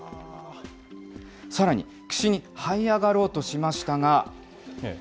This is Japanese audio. さらに岸にはい上がろうとしましたが。